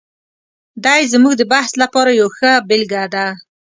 دی زموږ د بحث لپاره یوه ښه بېلګه ده.